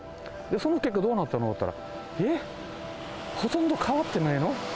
その結果、どうなったのって、えっ、ほとんど変わってないの？